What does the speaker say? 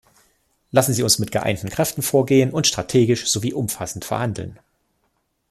Lassen Sie uns mit geeinten Kräften vorgehen und strategisch sowie umfassend verhandeln.